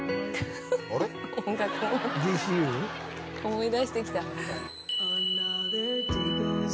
「思い出してきた」